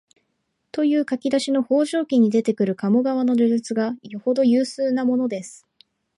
という書き出しの「方丈記」に出ている鴨川の叙述がよほど有数なものです